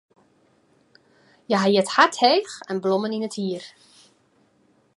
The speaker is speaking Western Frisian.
Hja hie it hart heech en blommen yn it hier.